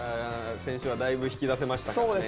先週はだいぶ引き出せましたからね。